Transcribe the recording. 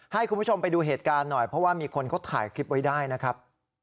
ให้คุณผู้ชมไปดูเหตุการณ์หน่อยเพราะว่ามีคนเขาถ่ายคลิปไว้ได้นะครับ